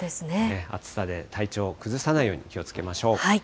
暑さで体調を崩さないように気をつけましょう。